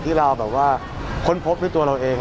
ที่เราแบบว่าค้นพบด้วยตัวเราเอง